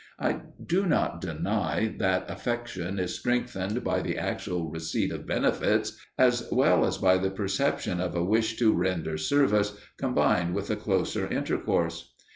I do not deny that affection is strengthened by the actual receipt of benefits, as well as by the perception of a wish to render service, combined with a closer intercourse.